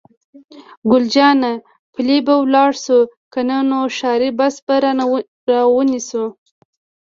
ګل جانې: پلي به ولاړ شو، که نه نو ښاري بس به را ونیسو.